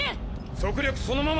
速力そのまま！